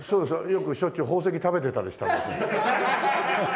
よくしょっちゅう宝石食べてたりした。